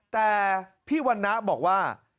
แต่พี่วันนะบอกว่า